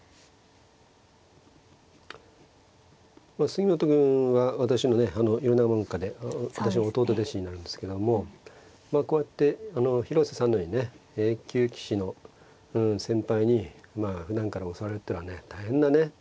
杉本君は私のねあの米長門下で私の弟弟子になるんですけどもまあこうやって広瀬さんのようにねＡ級棋士の先輩にまあふだんから教わるっていうのはね大変なね